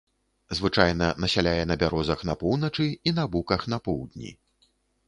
Звычайна насяляе на бярозах на поўначы і на буках на поўдні.